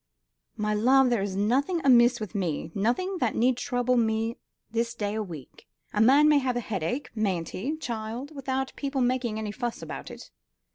"My love, there is nothing amiss with me nothing that need trouble me this day week. A man may have a headache, mayn't he, child, without people making any fuss about it?"